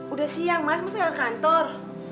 udah siang mas mas ga ke kantor